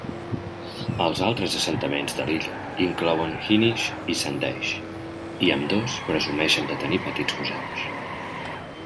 Els altres assentaments de l'illa inclouen Hynish i Sandaig, i ambdós presumeixen de tenir petits museus.